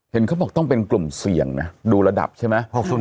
เห็นเขาบอกต้องเป็นกลุ่มเสี่ยงนะดูระดับใช่ไหม